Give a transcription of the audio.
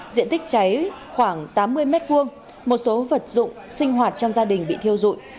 diện tích cháy khoảng tám mươi m hai một số vật dụng sinh hoạt trong gia đình bị thiêu dụi